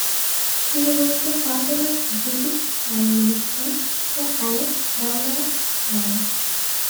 He was the father of British Prime Minister, Sir Alec Douglas-Home.